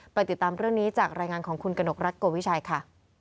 ติดตามเรื่องนี้จากรายงานของคุณกนกรัฐโกวิชัยค่ะ